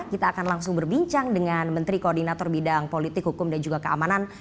kita akan langsung berbincang dengan menteri koordinator bidang politik hukum dan juga keamanan